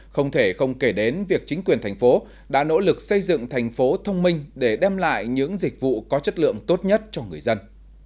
không thể không kể đến việc chính quyền thành phố đã nỗ lực xây dựng thành phố thông minh để đem lại những dịch vụ có chất lượng tốt nhất cho người dân